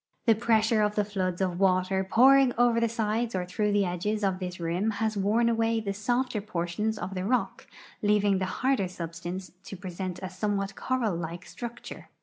The pre.ssure of the Hoods of water pouring over the sides or through the edges of this rim has worn away the softer portions of tbe rock, leaving tbe barder sul)sta.nce to present a soniewbat coral like structure.